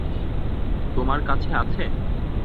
তোমার কাছে আছে?